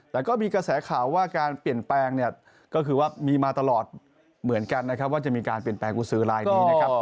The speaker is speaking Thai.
แต่ก็มีกระแสข่าวว่าการเปลี่ยนแปลงเนี่ยก็คือว่ามีมาตลอดเหมือนกันนะครับว่าจะมีการเปลี่ยนแปลงกุศือลายนี้นะครับ